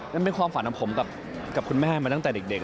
มันเป็นความฝันของผมกับคุณแม่มาตั้งแต่เด็ก